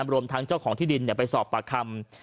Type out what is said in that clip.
รวมทั้งเจ้าของที่ดินไปสอบปากคำ